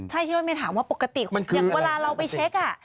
ใช่ที่โอ๊ดมีถามว่าปกติอย่างเวลาเราไปเช็คอ่ะ